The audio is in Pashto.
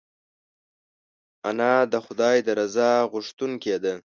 انا د خدای د رضا غوښتونکې ده